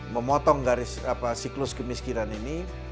memotong garis siklus kemiskinan ini